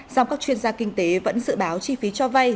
dòng các chuyên gia kinh tế vẫn dự báo chi phí cho vay